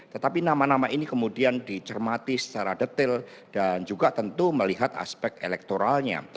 tetapi nama nama ini kemudian dicermati secara detail dan juga tentu melihat aspek elektoralnya